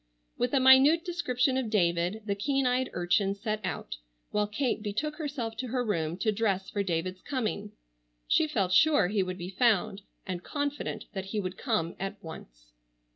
With a minute description of David the keen eyed urchin set out, while Kate betook herself to her room to dress for David's coming. She felt sure he would be found, and confident that he would come at once.